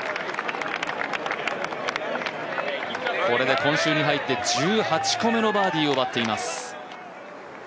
これで今週に入って１８個目のバーディーを奪っています。